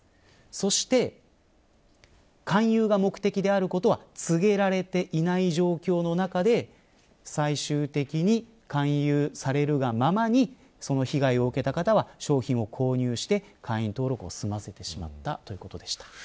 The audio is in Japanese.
そして勧誘が目的であることは告げられていない状況の中で最終的に勧誘されるがままに被害を受けた方は商品を購入し会員登録を済ませてしまったということでした。